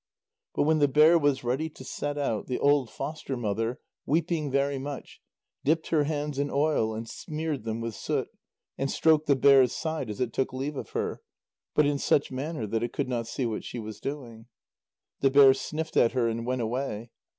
But when the bear was ready to set out, the old foster mother, weeping very much, dipped her hands in oil and smeared them with soot, and stroked the bear's side as it took leave of her, but in such manner that it could not see what she was doing. The bear sniffed at her and went away.